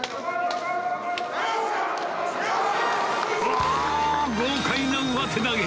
おー、豪快な上手投げ。